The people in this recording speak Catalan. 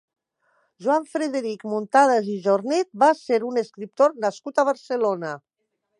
Joan Frederic Muntadas i Jornet va ser un escriptor nascut a Barcelona.